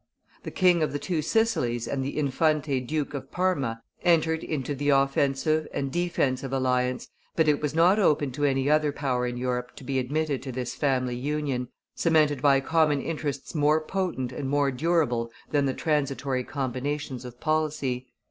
The King of the Two Sicilies and the Infante Duke of Parma entered into the offensive and defensive alliance, but it was not open to any other power in Europe to be admitted to this family union, cemented by common interests more potent and more durable than the transitory combinations of policy.